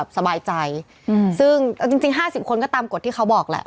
สบายใจซึ่งจริง๕๐คนก็ตามกฎที่เขาบอกแหละ